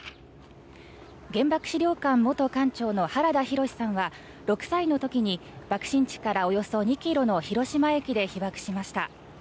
原爆資料館元館長の原田浩さんは６歳の時に爆心地からおよそ２ｋｍの広島駅で被爆しました。